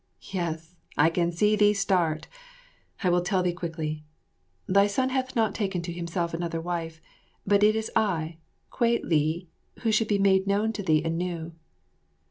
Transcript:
Yes, I can see thee start. I will tell thee quickly. Thy son hath not taken to himself another wife, but it is I, Kwei li, who should be made known to thee anew.